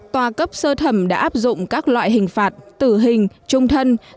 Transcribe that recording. tòa cấp sơ thẩm đã áp dụng các loại hình phạt tử hình trung thân